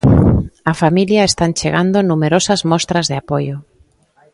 Á familia están chegando numerosas mostras de apoio.